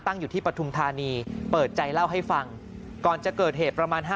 อยู่ที่ปฐุมธานีเปิดใจเล่าให้ฟังก่อนจะเกิดเหตุประมาณ